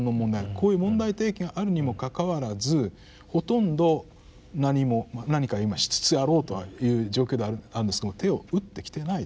こういう問題提起があるにもかかわらずほとんど何も何か今しつつあろうとはという状況ではあるんですけども手を打ってきていない。